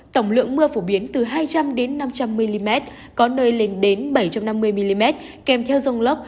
tổng lượng mưa phổ biến từ hai trăm linh năm trăm linh mm có nơi lên đến bảy trăm năm mươi mm kèm theo rông lốc